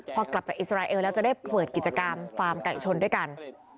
พอกลับจากอิสราเอลแล้วจะได้เปิดกิจกรรมฟาร์มไก่ชนด้วยกัน